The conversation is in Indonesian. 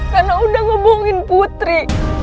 karena udah ngebohongin putri